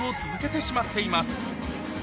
続けてしまっています